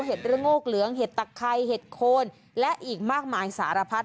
ระโงกเหลืองเห็ดตะไครเห็ดโคนและอีกมากมายสารพัด